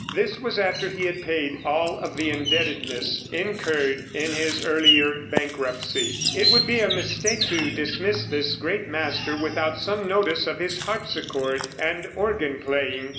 This was after he had paid all of the indebtedness incurred in his earlier bankruptcy. It would be a mistake to dismiss this great master without some notice of his harpsichord and organ playing.